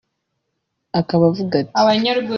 akaba avuga ati